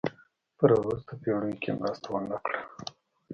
په را وروسته پېړیو کې یې مرسته ونه کړه.